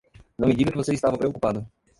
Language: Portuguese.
Não me diga que você estava preocupado!